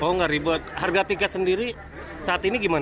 oh enggak ribet harga tiket sendiri saat ini gimana